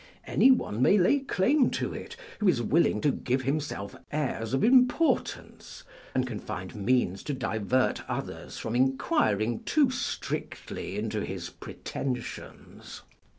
Any one may lay claim to it who is willing to give himself airs of importance, and can find means to divert others from inquiring too strictly into his pretensions.